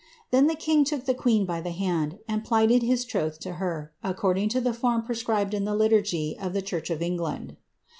Then the king took the \ by the hand, and plighteil his troth to her, acconling to the form ibed in the liturg} of the church of England.